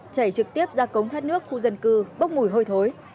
chảy trực tiếp ra cống thoát nước khu dân cư bốc mùi hôi thối